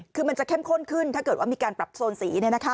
คือมันจะเข้มข้นขึ้นถ้าเกิดว่ามีการปรับโซนสี